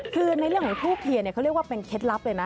คือในเรื่องของทูบเทียนเขาเรียกว่าเป็นเคล็ดลับเลยนะ